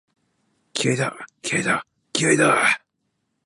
気合いだ、気合いだ、気合いだーっ！！！